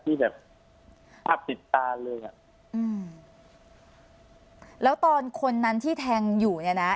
ที่แบบภาพติดตาเลยอ่ะอืมแล้วตอนคนนั้นที่แทงอยู่เนี่ยนะ